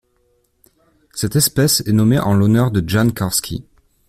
Cette espèce est nommée en l'honneur de Jan Karski.